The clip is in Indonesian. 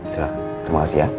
silahkan terima kasih ya